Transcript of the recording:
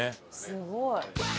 すごい。